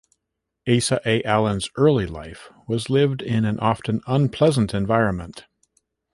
Asa A. Allen's early life was lived in an often unpleasant environment.